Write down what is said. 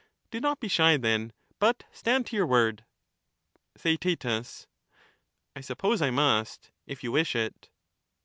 Do not be shy then, but stand to your word. TheaeL I suppose I must, if you wish it.